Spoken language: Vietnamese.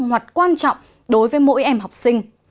hoặc quan trọng đối với mỗi em học sinh